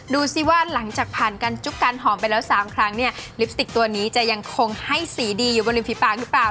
ดูสิว่าหลังจากผ่านการจุ๊กการหอมไปแล้ว๓ครั้งเนี่ยลิปสติกตัวนี้จะยังคงให้สีดีอยู่บนริมฝีปากหรือเปล่า